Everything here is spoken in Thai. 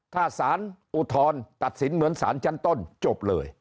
ถ้าสารอุทธรณ์ตัดสินเหมือนสารชั้นต้นจบเลย